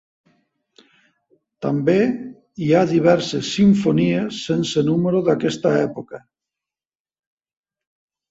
També hi ha diverses simfonies "sense número" d'aquesta època.